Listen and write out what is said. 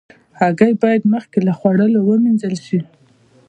هګۍ باید مخکې له خوړلو وینځل شي.